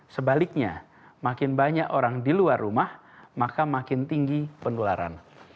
sebaliknya makin banyak orang di luar rumah maka makin tinggi penularan